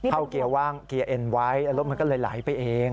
เกียร์ว่างเกียร์เอ็นไว้แล้วรถมันก็เลยไหลไปเอง